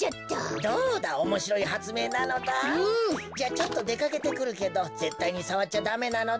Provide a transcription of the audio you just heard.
ちょっとでかけてくるけどぜったいにさわっちゃダメなのだ。